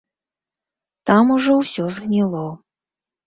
Там ужо ўсё згніло.